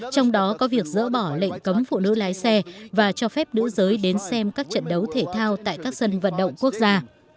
trong đó có việc dỡ bỏ lệnh cấm phụ nữ lái xe và cho phép nữ giới đến xem các trận đấu thể thao tại các sân vận động quốc gia